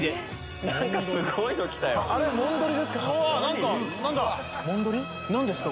何かすごいの来たよ！何ですか？